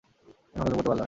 এখন হজম করতে পারলে হয়।